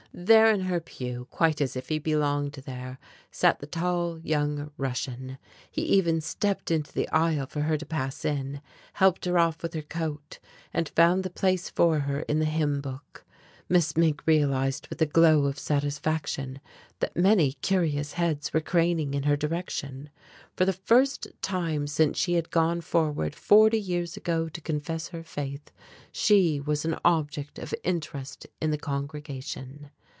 There in her pew, quite as if he belonged there, sat the tall young Russian. He even stepped into the aisle for her to pass in, helped her off with her coat, and found the place for her in the hymn book. Miss Mink realized with a glow of satisfaction, that many curious heads were craning in her direction. For the first time since she had gone forward forty years ago to confess her faith, she was an object of interest to the congregation!